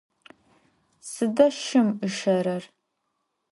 Sıda şşım ışerer?